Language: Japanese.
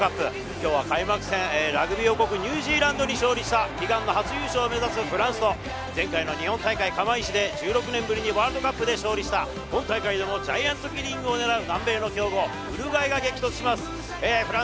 きょうは開幕戦、ラグビー王国ニュージーランドに勝利した悲願の初優勝を目指すフランスと、前回の日本大会・釜石で１６年ぶりにワールドカップに勝利した、今大会でもジャイアントキリングを狙う南米の強豪ウルグアイが激突します。